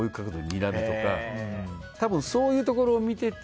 多分、そういうところを見てて。